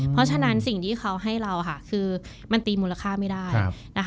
เพราะฉะนั้นสิ่งที่เขาให้เราค่ะคือมันตีมูลค่าไม่ได้นะคะ